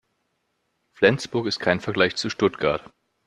Flensburg ist kein Vergleich zu Stuttgart